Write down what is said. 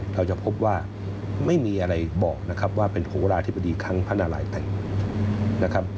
เราจะพบว่าไม่มีอะไรบอกว่าเป็นโฮราธิบดีครั้งพระนารายย์แต่ง